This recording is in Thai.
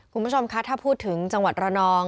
คุณผู้ชมคะถ้าพูดถึงจังหวัดระนอง